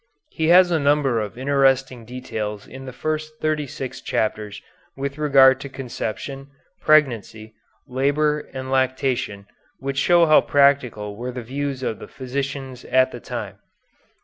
He has a number of interesting details in the first thirty six chapters with regard to conception, pregnancy, labor, and lactation, which show how practical were the views of the physicians of the time.